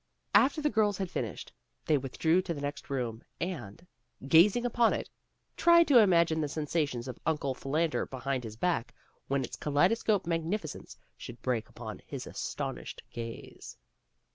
After the girls had finished, they withdrew to the next room and, gazing upon it, tried to imagine the sensations of Uncle Philander Behind His Back when its kaleidoscopic magnificence should break upon his astonished gaze.